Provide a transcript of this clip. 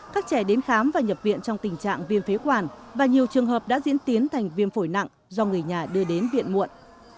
các trẻ đến khám và nhập viện trong tình trạng viêm phế quản và nhiều trường hợp đã diễn tiến thành viêm phổi nặng do người nhà đưa đến viện muộn